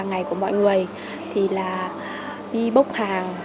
hàng ngày của mọi người thì là đi bốc hàng